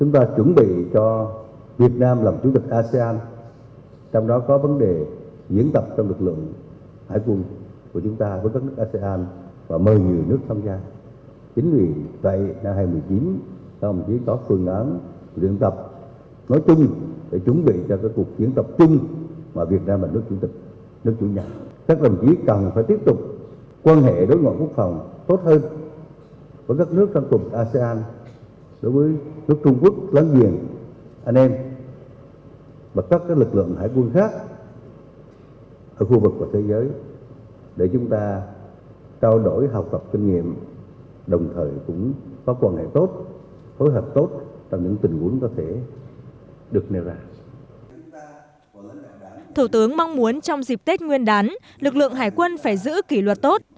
thủ tướng mong muốn trong dịp tết nguyên đán lực lượng hải quân phải giữ kỷ luật tốt